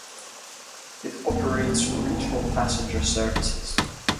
It operates regional passenger services.